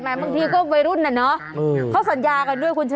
บางทีก็วัยรุ่นน่ะเนอะเขาสัญญากันด้วยคุณชนะ